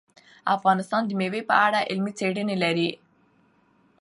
افغانستان د مېوې په اړه علمي څېړنې لري.